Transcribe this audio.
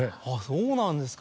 そうなんですか。